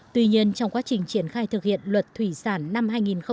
tuy nhiên trong quá trình triển khai thực hiện luật thủy sản năm hai nghìn một mươi bảy